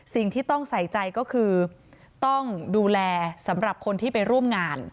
สิ่งที่ต้องใส่ใจก็คือต้องดูแลสำหรับคนที่ไปร่วมงาน